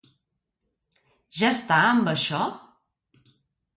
Ja està amb això?